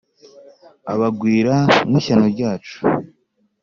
abagwira nki shyano ryacu,